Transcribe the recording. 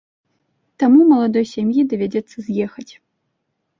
Таму маладой сям'і давядзецца з'ехаць.